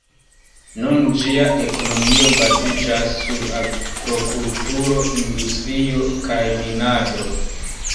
Nun ĝia ekonomio baziĝas sur agrokulturo, industrio kaj minado.